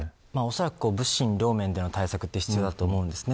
おそらく物心両面での対策は必要だと思います。